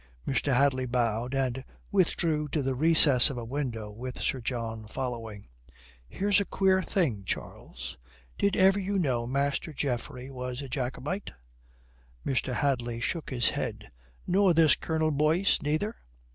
Mr. Hadley bowed, and withdrew to the recess of a window with Sir John following. "Here's a queer thing, Charles. Did ever you know Master Geoffrey was a Jacobite?" Mr. Hadley shook his head. "Nor this Colonel Boyce neither?"